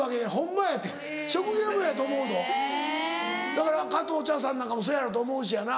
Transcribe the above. だから加藤茶さんなんかもそうやろうと思うしやな。